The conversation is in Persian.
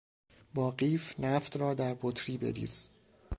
با قیف نفت را در بطری بریز.